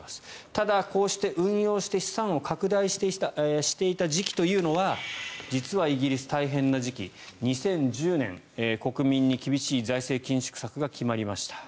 ただ、こうして運用して資産を拡大していた時期というのは実はイギリス、大変な時期２０１０年国民に厳しい財政緊縮策が決まりました。